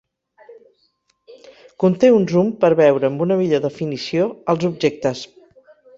Conté un zoom per veure amb una millor definició els objectes.